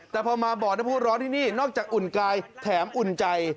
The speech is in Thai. แต่พอมาบอกน้ำผู้ร้อนที่นี่นอกจากอุ่นกายแถมอุ่นใจ